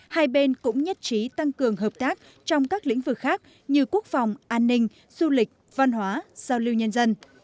hai bên cũng nhất trí tăng cường hợp tác trong các lĩnh vực khác như quốc phòng an ninh du lịch văn hóa giao lưu nhân dân